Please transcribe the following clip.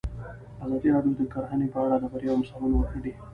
ازادي راډیو د کرهنه په اړه د بریاوو مثالونه ورکړي.